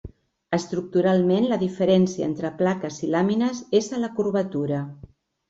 Estructuralment la diferència entre plaques i làmines és a la curvatura.